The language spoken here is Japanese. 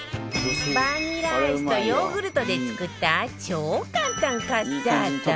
バニラアイスとヨーグルトで作った超簡単カッサータ